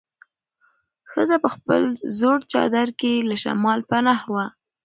ښځه په خپل زوړ چادر کې له شماله پناه وه.